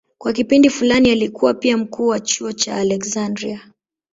Kwa kipindi fulani alikuwa pia mkuu wa chuo cha Aleksandria.